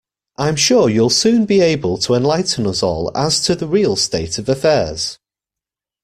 I'm sure you'll soon be able to enlighten us all as to the real state of affairs.